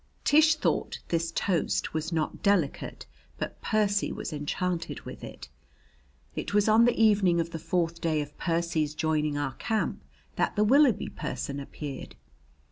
Tish thought this toast was not delicate, but Percy was enchanted with it. It was on the evening of the fourth day of Percy's joining our camp that the Willoughby person appeared.